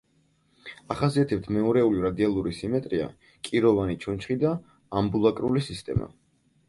ახასიათებთ მეორეული რადიალური სიმეტრია, კიროვანი ჩონჩხი და ამბულაკრული სისტემა.